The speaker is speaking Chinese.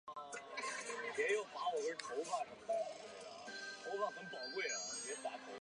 云南高原鳅为鳅科高原鳅属的鱼类。